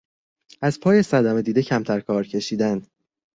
از پای صدمه دیده کمتر کار کشیدن